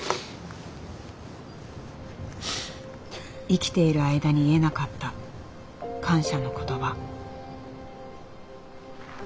生きている間に言えなかった感謝の言葉。